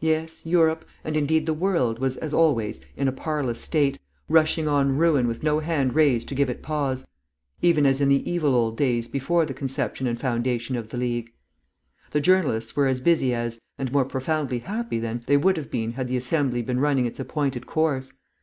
Yes, Europe, and indeed the world, was, as always, in a parlous state, rushing on ruin with no hand raised to give it pause, even as in the evil old days before the conception and foundation of the League. The journalists were as busy as, and more profoundly happy than, they would have been had the Assembly been running its appointed course.